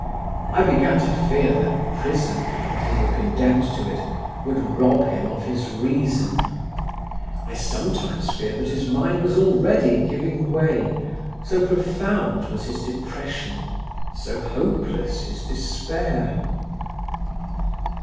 I began to fear that prison, if he were condemned to it, would rob him of his reason; I sometimes feared that his mind was already giving way, so profound was his depression, so hopeless his despair.